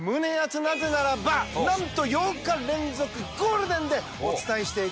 なぜならばなんと８日連続ゴールデンでお伝えしていく。